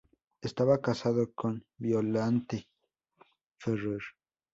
Estaba casado con Violante Ferrer.